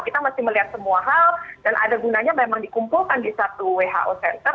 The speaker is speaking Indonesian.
kita masih melihat semua hal dan ada gunanya memang dikumpulkan di satu who center